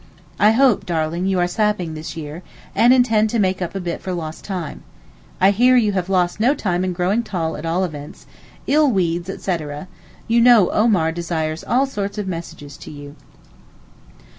I hope, darling, you are sapping this year, and intend to make up a bit for lost time. I hear you have lost no time in growing tall at all events—'ill weeds, etc.'—you know Omar desires all sorts of messages to you.